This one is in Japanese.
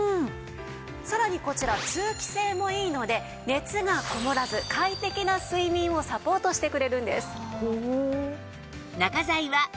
さらにこちら通気性もいいので熱がこもらず快適な睡眠をサポートしてくれるんです。